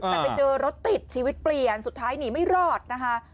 แต่ไปเจอรถติดชีวิตเปลี่ยนสุดท้ายหนีไม่รอดนะคะ